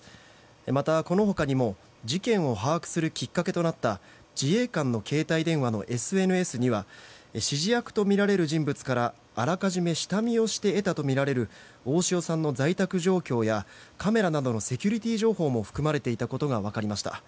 また、この他にも事件を把握するきっかけとなった自衛官の携帯電話のＳＮＳには指示役とみられる人物からあらかじめ下見をして得たとみられる大塩さんの在宅情報やカメラなどのセキュリティー情報も含まれていたことが分かりました。